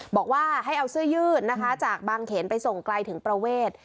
บอกว่าให้เอาเสื้อยืดนะคะจากบางเขนไปส่งไกลถึงประเวท